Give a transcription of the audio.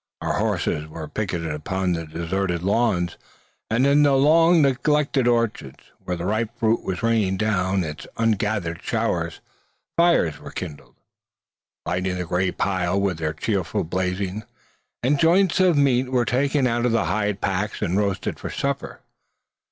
Our horses were picketed upon the deserted lawns, and in the long neglected orchards, where the ripe fruit was raining down its ungathered showers. Fires were kindled, lighting the grey pile with their cheerful blazing; and joints of meat were taken out of the hide packs and roasted for supper.